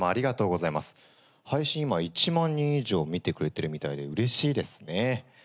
今１万人以上見てくれてるみたいでうれしいですね。